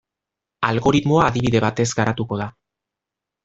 Algoritmoa adibide batez garatuko da.